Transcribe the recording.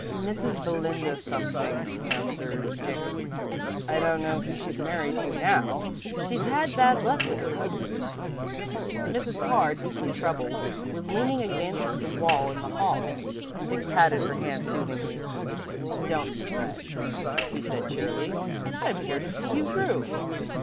"Mrs. Belinda something," answered Dick. "I don't know who she's married to now. She's had bad luck with her husbands." Mrs. Carr, deeply troubled, was leaning against the wall in the hall, and Dick patted her hand soothingly. "Don't you fret," he said, cheerily; "I'm here to see you through."